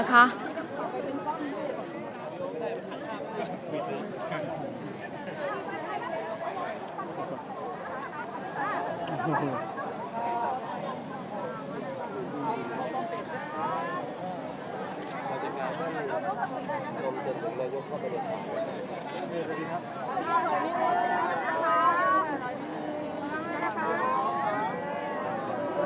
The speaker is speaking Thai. พระบทพระบทจ๋าเลย